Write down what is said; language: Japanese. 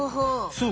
そう。